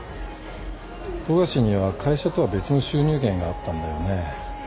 富樫には会社とは別の収入源があったんだよね？